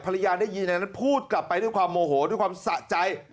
ภรรยาได้ยินพูดกลับไปด้วยความโมโหด้วยความสะใจ